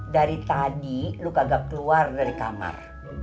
dari tadi lu kagak keluar dari kamar